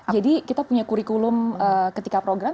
jadi kita punya kurikulum ketika program